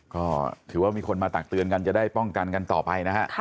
ก็ถือว่ามีคนมาตักเตือนกันจะได้ป้องกันกันต่อไปนะฮะ